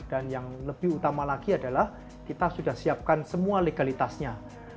dan yang lebih utama lagi adalah kita sudah siapkan semua legalitasnya